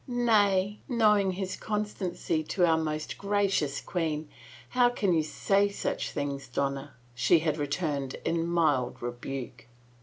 " Nay, knowing his constancy to our most gracious queen, how can you say such things, Donna?" she had returned in mild rebuke.